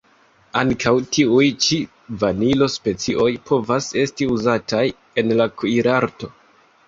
Ankaŭ tiuj ĉi Vanilo-specioj povas esti uzataj en la kuirarto.